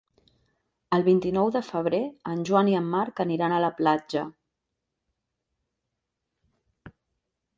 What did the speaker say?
El vint-i-nou de febrer en Joan i en Marc aniran a la platja.